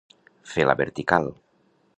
Fer la vertical.